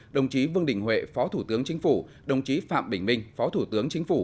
đồng chí vương đình huệ phó thủ tướng chính phủ đồng chí phạm bình minh phó thủ tướng chính phủ